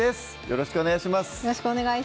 よろしくお願いします